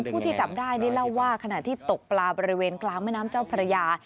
ผู้ที่จับได้นี่เล่าว่าขณะที่ตกปลาบริเวณกลางแม่น้ำเจ้าพระยา